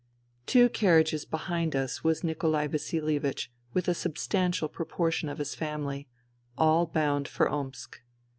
Two carriages behind us was Nikolai Vasilievich with a substantial proportion of his family, all bound for Omsk.